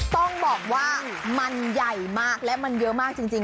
ต้องบอกว่ามันใหญ่มากและมันเยอะมากจริง